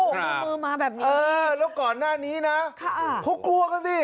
ครับมือมาแบบนี้เออแล้วก่อนหน้านี้น่ะค่ะพวกกลัวกันสิ